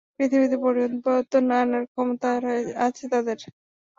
পৃথিবীতে পরিবর্তন আনার ক্ষমতা আছে তাদের।